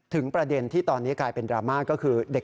ประเด็นที่ตอนนี้กลายเป็นดราม่าก็คือเด็ก